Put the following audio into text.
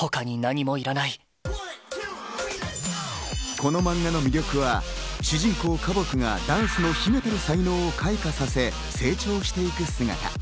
この漫画の魅力は、主人公・花木がダンスの秘めた才能を開花させ、成長していく姿。